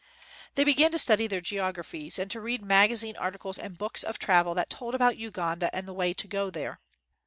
" They began to study their geographies, and to read magazine articles and books of travel that told about Uganda and the way to go there.